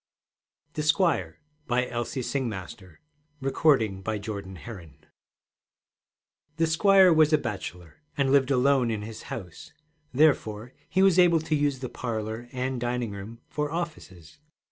THE SQUIRE BY ELSIE SINGMASTER THE squire was a bachelor, and lived alone in his house; therefore he was able to use the parlor and dining room for offices.